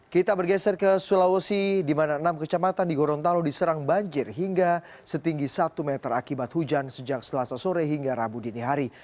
kita bergeser ke sulawesi di mana enam kecamatan di gorontalo diserang banjir hingga setinggi satu meter akibat hujan sejak selasa sore hingga rabu dini hari